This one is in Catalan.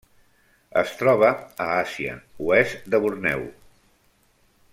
Es troba a Àsia: oest de Borneo.